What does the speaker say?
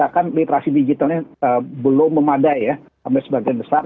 kan literasi digitalnya belum memadai ya sampai sebagian besar